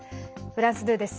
フランス２です。